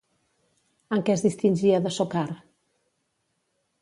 En què es distingia de Sokar?